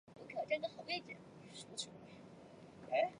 非洲金融共同体法郎最初与法国法郎挂钩。